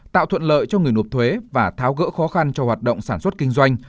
tạo thuận lợi cho người nộp thuế và tháo gỡ khó khăn cho hoạt động sản xuất kinh doanh